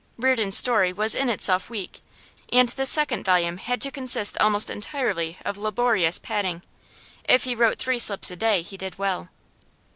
Reardon's story was in itself weak, and this second volume had to consist almost entirely of laborious padding. If he wrote three slips a day he did well.